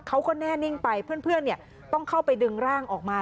เขาก็แน่นิ่งไปเพื่อนต้องเข้าไปดึงร่างออกมา